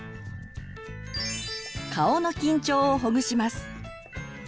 顔の緊張をほぐします。